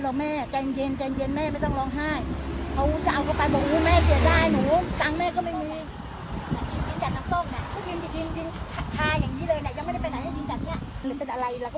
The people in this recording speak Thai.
รอแม่ใจเย็นใจเย็นแม่ไม่ต้องร้องไห้เขาจะเอาเข้าไปบอกโอ้